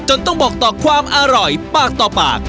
ต้องบอกต่อความอร่อยปากต่อปาก